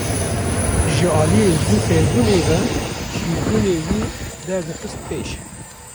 Ji aliyê zû fêrbûnê ve jîrbûnê wî derdixiste pêş.